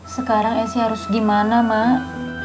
sekarang esy harus gimana mak